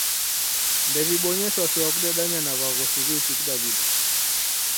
Ndew'ibonye shwashwa kudedanya na w'aghosi w'iichi Kidaw'ida.